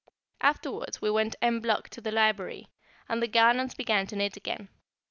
Afterwards we went en bloc to the library, and the Garnons began to knit again.